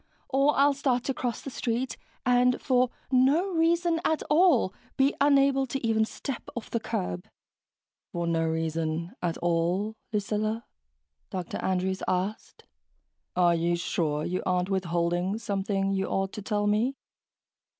Or I'll start to cross the street and, for no reason at all, be unable to even step off the curb...." "For no reason at all?" Dr. Andrews asked. "Are you sure you aren't withholding something you ought to tell me?"